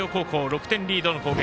６点リードの攻撃。